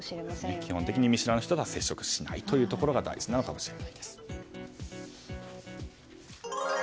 基本的に見知らぬ人と接触しないということが大事なのかもしれないです。